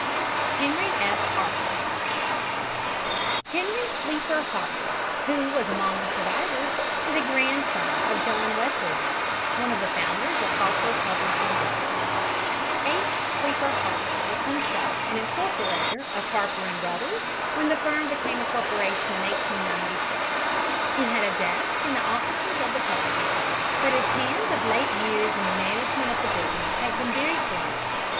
HENRY S. HARPER Henry Sleeper Harper, who was among the survivors, is a grandson of John Wesley Harper, one of the founders of the Harper publishing business. H. Sleeper Harper was himself an incorporator of Harper & Brothers when the firm became a corporation in 1896. He had a desk in the offices of the publishers, but his hand of late years in the management of the business has been very slight.